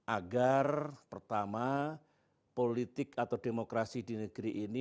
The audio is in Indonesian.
agar pertama politik atau demokrasi di negeri ini